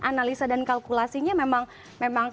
analisa dan kalkulasinya memang